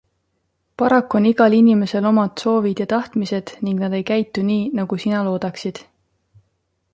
Paraku on igal inimesel omad soovid ja tahtmised ning nad ei käitu nii, nagu sina loodaksid.